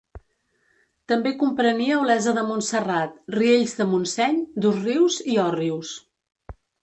També comprenia Olesa de Montserrat, Riells de Montseny, Dosrius i Òrrius.